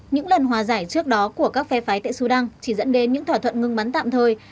những lần hòa giải trước đó của các phe phái tại sudan chỉ dẫn đến những thỏa thuận ngừng bắn tạm thời